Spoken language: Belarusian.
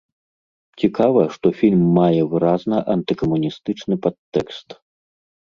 Цікава, што фільм мае выразна антыкамуністычны падтэкст.